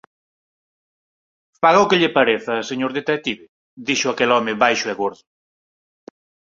Faga o que lle pareza, señor detective —dixo aquel home baixo e gordo.